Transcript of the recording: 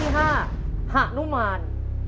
หานุมาน